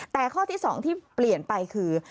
แต่ข้อที่๒ที่เปลี่ยนไปคือ